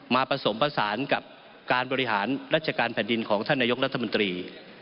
ผสมผสานกับการบริหารราชการแผ่นดินของท่านนายกรัฐมนตรี